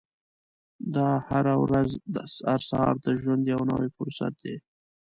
د هرې ورځې هر سهار د ژوند یو نوی فرصت دی.